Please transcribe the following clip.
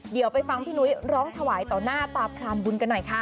เดี๋ยวไปฟังพี่นุ้ยร้องถวายต่อหน้าตาพรามบุญกันหน่อยค่ะ